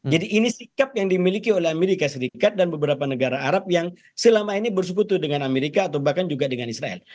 jadi ini sikap yang dimiliki oleh amerika serikat dan beberapa negara arab yang selama ini bersekutu dengan amerika atau bahkan juga dengan israel